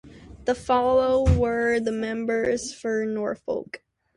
The following were the members for Norfolk.